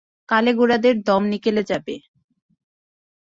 কালে গোঁড়াদের দম নিকলে যাবে।